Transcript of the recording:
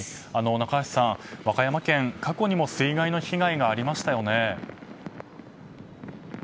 中橋さん、和歌山県は過去にも水害の被害がありましたよね。